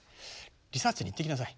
リサーチに行ってきなさい。